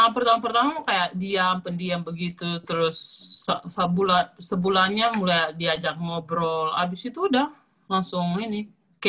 pertama pertama kayak diam pendiam begitu terus sebulannya mulai diajak ngobrol abis itu udah langsung ini